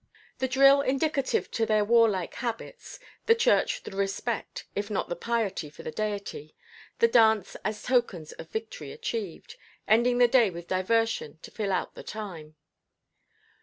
The drill indicative to their war like habits, the church the respect, if not the piety for the Deity; the dance as tokens of victory achieved, ending the day with diversion to fill out the time.